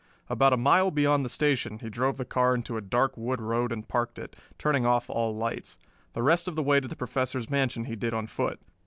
About a mile beyond the station he drove the car into a dark wood road and parked it, turning off all lights. The rest of the way to the Professor's mansion he did on foot.